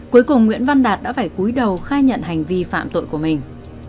cuối cùng nguyễn văn đạt đã phải cuối đầu khai nhận hành vi phạm tội của mình